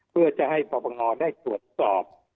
เพื่อจะให้ประบังศศูนย์ได้ตรวจสอบ